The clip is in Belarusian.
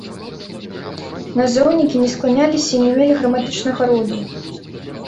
Назоўнікі не скланяліся і не мелі граматычнага роду.